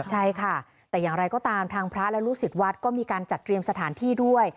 ใช่ค่ะแต่อย่างไรก็ตามทางพระและลูกศิษย์วัดก็มีการจัดเตรียมสถานที่ด้วย